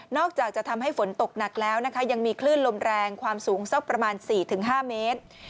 อกจากจะทำให้ฝนตกหนักแล้วนะคะยังมีคลื่นลมแรงความสูงสักประมาณ๔๕เมตร